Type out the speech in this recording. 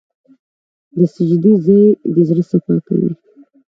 د سجدې ځای د زړه صفا کوي.